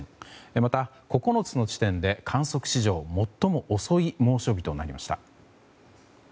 また、９つの地点で観測史上最も遅い猛暑日となりました。